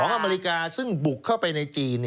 อเมริกาซึ่งบุกเข้าไปในจีน